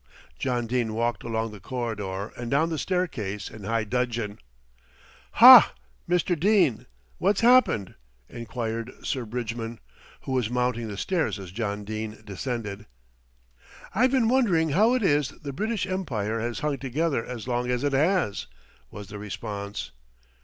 John Dene walked along the corridor and down the staircase in high dudgeon. "Ha! Mr. Dene, what's happened?" enquired Sir Bridgman, who was mounting the stairs as John Dene descended. "I've been wondering how it is the British Empire has hung together as long as it has," was the response.